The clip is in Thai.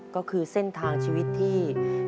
ก็คือเส้นทางชีวิตที่